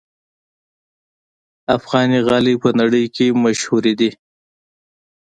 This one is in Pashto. افغاني غالۍ په نړۍ کې مشهوره ده.